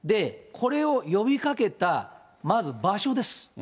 これを呼びかけたまず場所です。